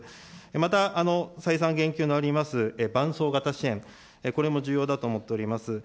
また再三、言及のあります伴走型支援、これも重要だと思っております。